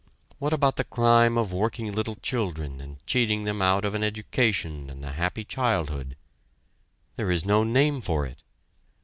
What about the crime of working little children and cheating them out of an education and a happy childhood? There is no name for it!